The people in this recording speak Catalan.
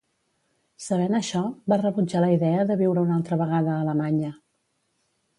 Sabent això, va rebutjar la idea de viure una altra vegada a Alemanya.